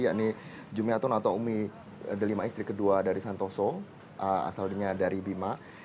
yakni jumiatun atau umi delima istri kedua dari santoso asalnya dari bima